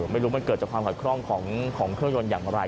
ไม่รู้มันเกิดจากความขัดคล่องของเครื่องยนต์อย่างไร